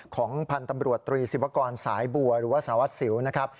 ของพันธุ์ตำรวจตรีศิวากรสายบัวหรือว่าสารวัสสิวนะครับ